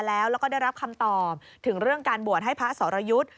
แล้วก็ได้รับคำตอบถึงเรื่องการบวชให้พระสรยุทธ์